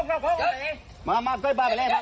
เอาไป